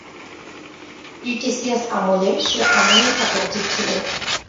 Cretaceous আমলের, সেই আমলেই থাকা উচিত ছিল।